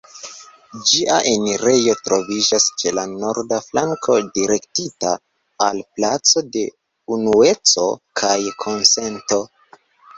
Ĝia enirejo troviĝas ĉe la norda flanko, direktita al placo de Unueco kaj Konsento.